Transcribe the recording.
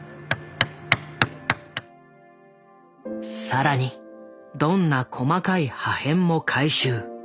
更にどんな細かい破片も回収。